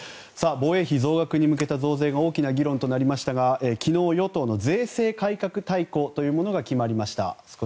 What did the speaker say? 防衛費増額に向けた増税が大きな議論となりましたが昨日、与党の税制改革大綱というものが決まりました。